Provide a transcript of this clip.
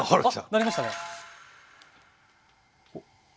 鳴りましたね！